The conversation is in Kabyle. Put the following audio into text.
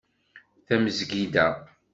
Tamezgida